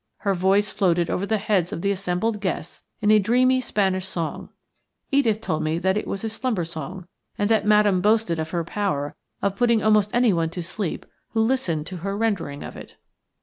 Her voice floated over the heads of the assembled guests in a dreamy Spanish song. Edith told me that it was a slumber song, and that Madame boasted of her power of putting almost anyone to sleep who listened to her rendering of it.